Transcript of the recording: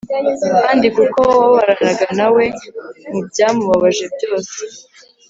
kandi kuko wababaranaga na we mu byamubabaje byose.”